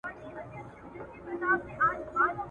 کشکي نه وای شاعر سوی د بدبخت اولس په ژبه ..